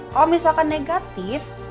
kalo misalkan negatif